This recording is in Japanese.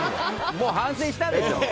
もう反省したでしょ。